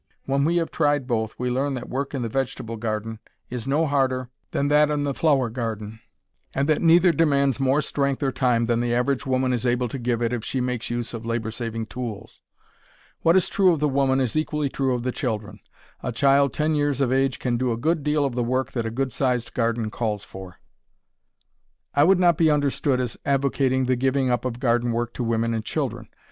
When we have tried both we learn that work in the vegetable garden is no harder than that in the flower garden, and that neither demands more strength or time than the average woman is able to give it if she makes use of labor saving tools. What is true of the woman is equally true of the children. A child ten years of age can do a good deal of the work that a good sized garden calls for. I would not be understood as advocating the giving up of garden work to women and children.